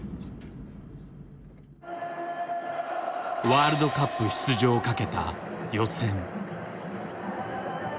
ワールドカップ出場をかけた予選。